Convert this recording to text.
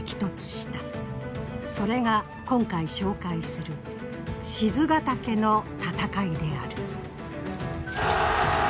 それが今回紹介する賤ヶ岳の戦いである。